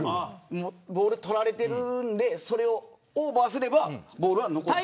ボールを取られてるんでそれをオーバーすればボールは残ったまま。